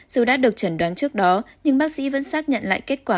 dù đã được chẩn đoán trước đó nhưng bác sĩ vẫn xác nhận lại kết quả